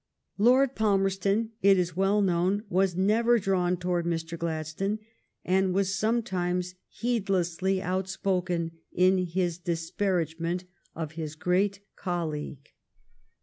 Lord Palmerston, it is well known, was never ^drawn towards Mr. Glad stone, and was sometimes heedlessly outspoken in his disparagement of his great colleague.